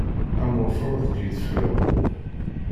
Am ufrux deg yideflawen.